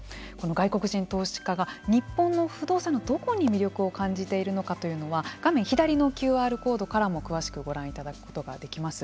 外国人投資家が日本の不動産のどこに魅力を感じているのかというのは画面左のＱＲコードからも詳しくご覧いただくことができます。